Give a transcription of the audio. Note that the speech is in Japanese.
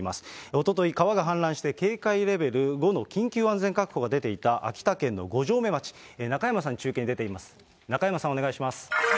おととい、川が氾濫して警戒レベル５の緊急安全確保が出ていた秋田県の五城目町、中山さん、中継に出ています。